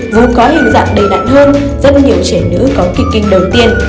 dù có hình dạng đầy nặng hơn rất nhiều trẻ nữ có kỳ kinh đầu tiên